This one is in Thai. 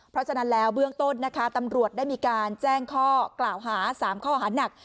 เพราะฉะนั้นแล้วเบื้องต้นนะคะตำรวจได้มีการแจ้งข้อกล่าวหา๓ข้อหานัก